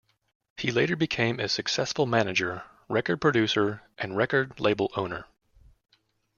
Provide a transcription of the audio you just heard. He later became a successful manager, record producer and record label owner.